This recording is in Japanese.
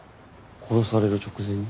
殺される直前に？